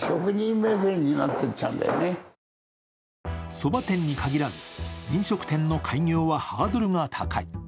そば店に限らず飲食店の開業はハードルが高い。